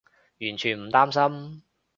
完全唔擔心